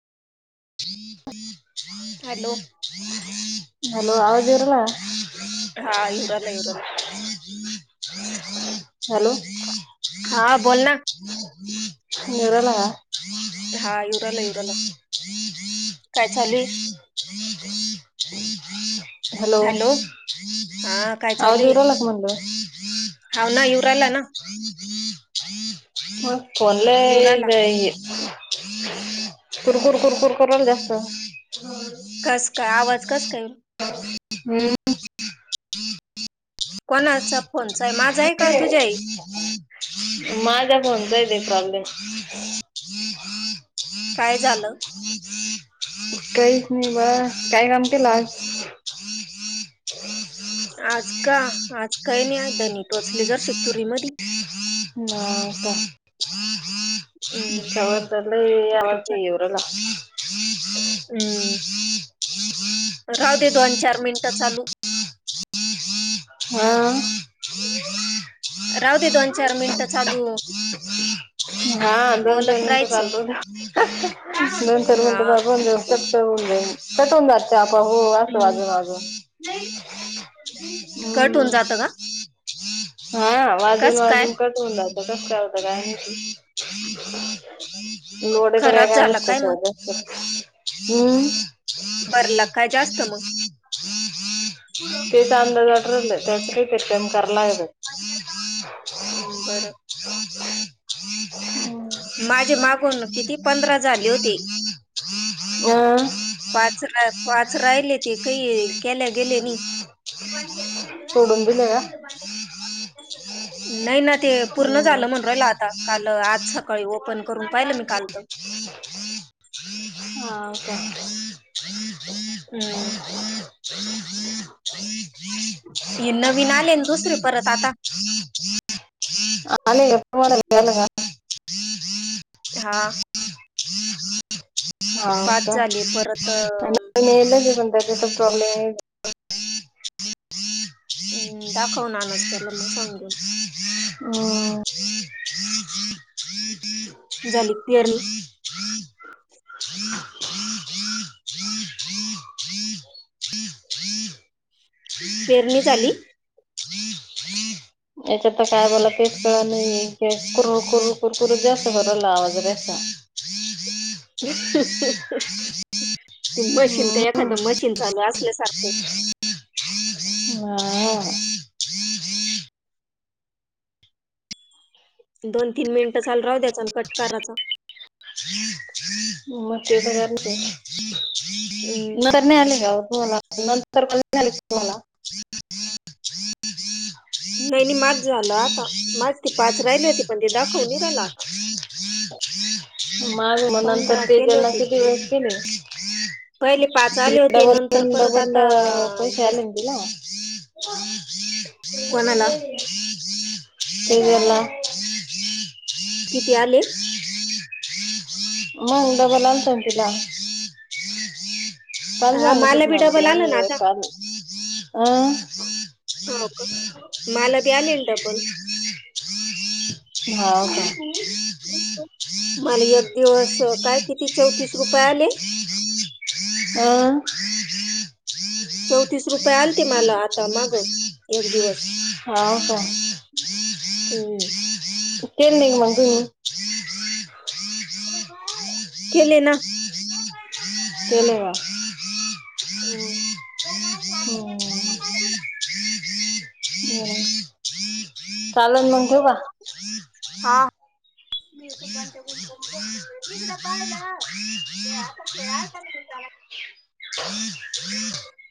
ह hello hello आवाज बाळा हा युवराला युवराला हा बोल ना मला लावा हा इवराला इवराला काय चालू हाय हॅलो हा काय आवाज येऊ चालूय राहिला का म्हणलं हाव ना युवराला ना युवराला [unintelligible] कुरकुर कुरकुर कराला जास्त कस काय आवाज कस काय हम् कोणाचा फोनचा आहे माझा आहे का तुझ्याहय माझा फोनचा आहे ते प्रॉब्लेम काय झालं काहीच नाही ब काय काम केलं आज आज का आज काय नाही दनी टोचली जर शित्तुरी मधे हम् हो का हम्म यावर घरीच्या इवरला राहुदे दोन चार मिंट चालू हो राहुदे दोन चार मिंट चालू हा दोन चार बोलत मिनटं राहायचं चालू राहुद्या, दोन चार हा मिनटं जाईन कटळुन जातं आता हो असं हम्म वाजून वाजून कट होऊन हम्म जातं का हा वाजून कस काय वाजून कटळुन जातं, तसं का होतं काय माहिती नोडीत बे खराब का झाला काय असतच हम् बरला काय जास्त मग ते च अंदज ठरलं त्यासाठी काकाम कराला ह हम्म बरं माझे मागून किती पंधरा झाले होते अं, पाच पाच राहिले ते काही केल्या गेल्याने सोडून दिले या नाही ना ते पूर्ण झालं म्हण राहिलं आता काल आ ज सकाळी ओपन करून पाहिलं मी काल तर हा का हम्म ये नवीन आलेन दुसरे परत आता आलेल का हा हो पाच झाले का परत अं, त्याचे पण प्रॉब्लेम येत. हम्म दाखव ना नूस त्याला मी सांगेन. हम्म. झाली पेरणी. पेरणी झाली? याच्यात तर काय झालं तेच कळत नाही कुर कुरु कुरकुरु जास्त बदलला आवाज रचा. [inaudible] ह ह हाहा. ते मशीन का एखादं मशीन चालू असल्यासारखं. दोन तीन मिनिटं चालू राहू द्यायचा अण कट काराचा. हम्म कर आले [inaudible] नंतर भेट झाली की बोला. नाही नाही माझं झालं आता माझं ती पाच राहिली होती पण ते दाखवून नी राहिलं आता. माग म नंतर पंधरा ते केले त्यांना होते किती मी वेळेस दिले. पहिले पाच आले होते भेटल्यावर नंतर तेन परत डबल आता पैसे वीस आलेन तिला? कोणाला? [inaudible] किती आले? [inaudible] हा पालटच मला बी माती डबल आलं ना आता पाल अह हो का मला बी आलेंन डबल. हा का? मला एक दिवस काय किती चौतीस रुपये आले. अ चौतीस रुपये आलते मला आता माग एक दिवस. हा का? हअ. [unintelligible] केले ना! केलेवा हम् चालल मग ठेवू का? हा [inaudible] तिकड पाहिलं [unintelligible] [inaudible]